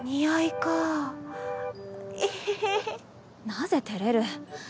なぜてれる。